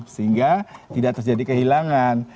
sehingga tidak terjadi kehilangan